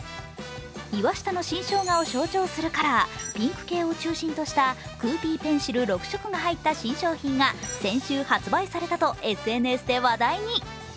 岩下の新生姜を象徴するカラー、ピンク系を中心としたクーピーペンシル６色が入った新商品が先週、発売されたとＳＮＳで話題に。